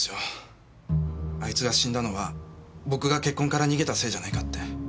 あいつが死んだのは僕が結婚から逃げたせいじゃないかって。